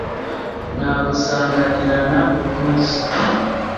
nagusanganirana ubwuzu,